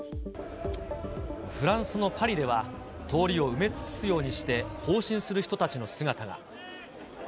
フランスのパリでは、通りを埋め尽くすようにして行進する人たちの姿が。